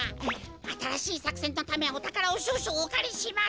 あたらしいさくせんのためおたからをしょうしょうおかりします。